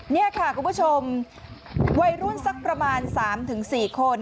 นี่ค่ะคุณผู้ชมวัยรุ่นสักประมาณ๓๔คน